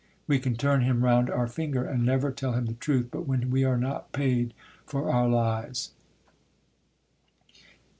We can turn him round our finger ; and never tell him the truth, but when we are not paid for our lies.